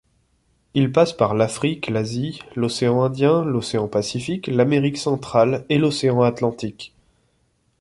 Il passe par l'Afrique, l'Asie, l'océan Indien, l'océan Pacifique, l'Amérique centrale et l'océan Atlantique.